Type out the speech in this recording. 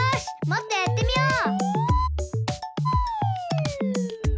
もっとやってみよう！